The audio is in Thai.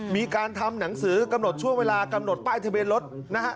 มีการทำหนังสือกำหนดช่วงเวลากำหนดป้ายทะเบียนรถนะฮะ